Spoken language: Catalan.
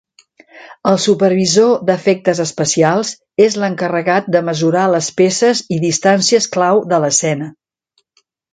El supervisor d’efectes especials és l’encarregat de mesurar les peces i distàncies clau de l’escena.